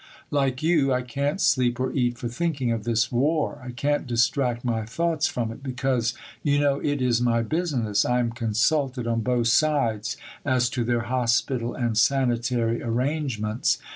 Like you, I can't sleep or eat for thinking of this War. I can't distract my thoughts from it because, you know, it is my business. I am consulted on both sides as to their Hospital and sanitary arrangements....